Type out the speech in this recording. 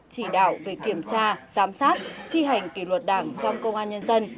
chỉ đạo về kiểm tra giám sát thi hành kỷ luật đảng trong công an nhân dân